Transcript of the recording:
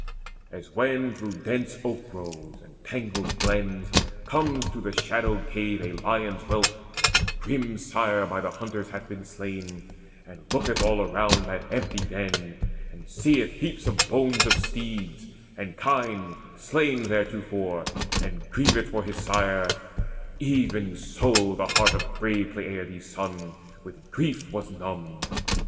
As when through dense oak groves and tangled glens Comes to the shadowed cave a lion's whelp Whose grim sire by the hunters hath been slain, And looketh all around that empty den, And seeth heaps of bones of steeds and kine Slain theretofore, and grieveth for his sire; Even so the heart of brave Peleides' son With grief was numbed.